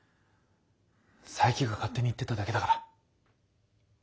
佐伯が勝手に言ってただけだから。